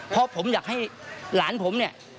เพราะผมอยากให้หลานผมเนี่ย